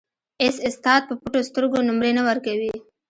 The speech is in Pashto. اېڅ استاد په پټو سترګو نومرې نه ورکوي.